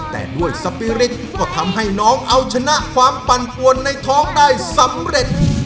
แต่ด้วยสปีริตก็ทำให้น้องเอาชนะความปั่นปวนในท้องได้สำเร็จ